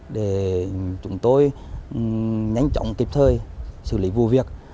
để chúng tôi nhanh chóng kịp thời xử lý vụ việc